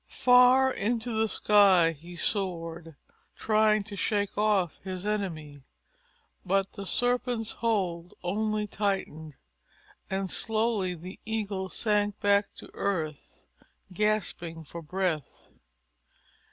Far into the sky he soared trying to shake off his enemy. But the Serpent's hold only tightened, and slowly the Eagle sank back to earth, gasping for breath.